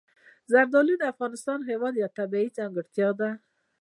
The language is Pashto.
زردالو د افغانستان هېواد یوه طبیعي ځانګړتیا ده.